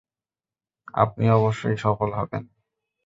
আপনি অবশ্যই সফল হবেন।